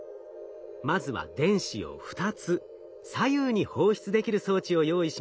まずは電子を２つ左右に放出できる装置を用意します。